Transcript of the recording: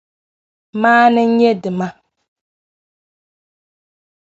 Maana n-nyɛ dima.